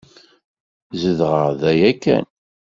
Zedɣeɣ da yakan.